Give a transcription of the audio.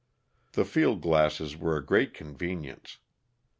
The field glasses were a great convenience.